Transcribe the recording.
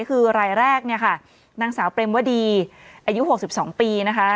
คือรายแรกเนี่ยค่ะนางสาวเปรมวดีอายุ๖๒ปีนะคะ